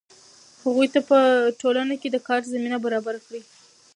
هغوی ته په ټولنه کې د کار زمینه برابره کړئ.